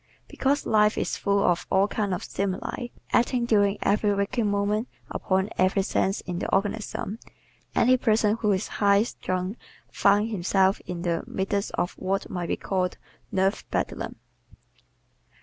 Because life is full of all kinds of stimuli, acting during every waking moment upon every sense in the organism, any person who is high strung finds himself in the midst of what might be called "nerve bedlam."